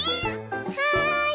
はい。